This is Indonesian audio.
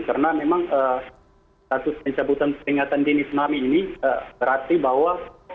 karena memang status pencabutan teringatan dini tsunami ini berarti bahwa